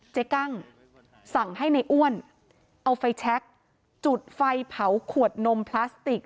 กั้งสั่งให้ในอ้วนเอาไฟแชคจุดไฟเผาขวดนมพลาสติก